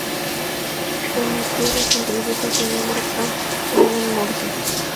En la Tierra, simplifica su nombre a ""Megan Morse"".